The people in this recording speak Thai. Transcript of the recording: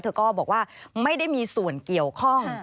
เธอก็บอกว่าไม่ได้มีส่วนเกี่ยวข้อง